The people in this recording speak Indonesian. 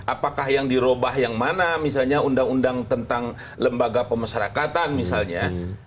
apakah yang dirubah yang mana misalnya undang undang tentang lembaga pemasarakatan misalnya